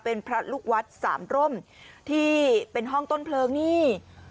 เป็นพระลูกวัดสามร่มที่เป็นห้องต้นเพลิงนี่